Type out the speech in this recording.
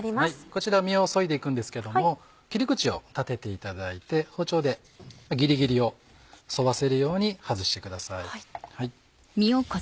こちら実をそいで行くんですけども切り口を立てていただいて包丁でギリギリを沿わせるように外してください。